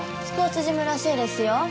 スポーツジムらしいですよ。